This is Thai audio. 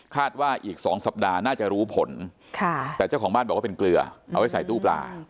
ว่าอีก๒สัปดาห์น่าจะรู้ผลแต่เจ้าของบ้านบอกว่าเป็นเกลือเอาไว้ใส่ตู้ปลา